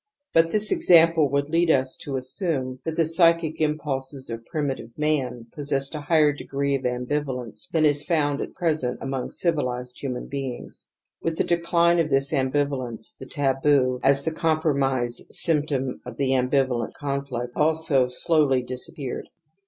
But this example would lead us to assimie that the psychic impulses of primi tive mun possessed a higher degree of ambivalence than is found at present among civilized human beings. With the decline of this ambivalence the taboo J as the compromise symptom of the ambivalent conflict, also slowly disappeared.